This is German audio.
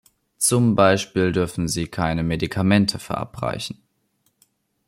Zum Beispiel dürfen sie keine Medikamente verabreichen.